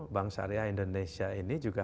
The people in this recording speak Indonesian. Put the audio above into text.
bank syariah indonesia ini juga